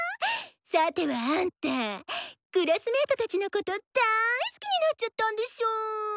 さてはアンタクラスメートたちのこと大好きになっちゃったんでしょ？